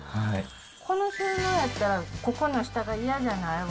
この収納やったらここの下が嫌じゃないわ。